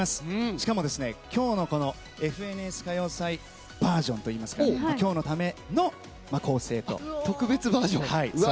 しかも今日の「ＦＮＳ歌謡祭」バージョンといいますか特別バージョン。